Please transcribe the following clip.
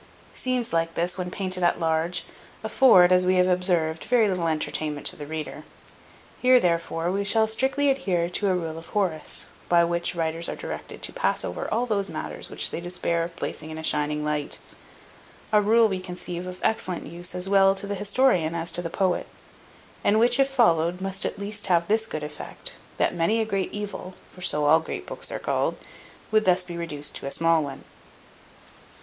Scenes like this, when painted at large, afford, as we have observed, very little entertainment to the reader. Here, therefore, we shall strictly adhere to a rule of Horace; by which writers are directed to pass over all those matters which they despair of placing in a shining light; a rule, we conceive, of excellent use as well to the historian as to the poet; and which, if followed, must at least have this good effect, that many a great evil (for so all great books are called) would thus be reduced to a small one.